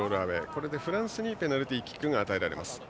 これでフランスにペナルティーキックが与えられます。